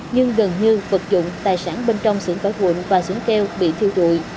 nhưng gần như vật dụng tài sản bên trong xưởng vải vụn và xưởng kèo bị thiêu rụi